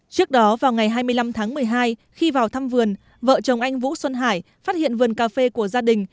trước đó vào ngày hai mươi năm tháng một mươi hai khi vào thăm vườn vợ chồng anh vũ xuân hải phát hiện vườn cà phê của gia đình